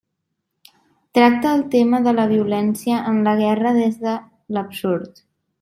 Tracta el tema de la violència en la guerra des de l'absurd.